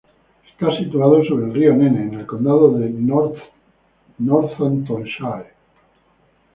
Está situado sobre el río Nene en el condado de Northamptonshire.